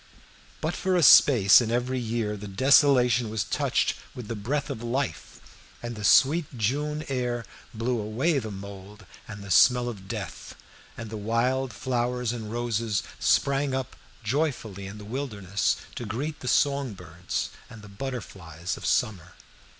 But for a space in every year the desolation was touched with the breath of life, and the sweet June air blew away the mould and the smell of death, and the wild flowers and roses sprang up joyfully in the wilderness to greet the song birds and the butterflies of summer.